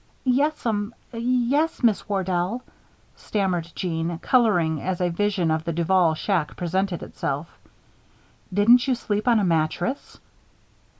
"Yes'm yes, Miss Wardell," stammered Jeanne, coloring as a vision of the Duval shack presented itself. "Didn't you sleep on a mattress?"